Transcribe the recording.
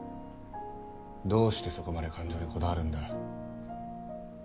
どうしてそこまで感情にこだわるんだ？